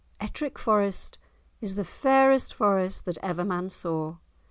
"Ettrick Forest is the fairest forest that ever man saw.